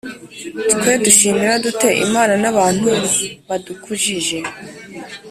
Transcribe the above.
twe dushimira dute imana n’abantu badukujije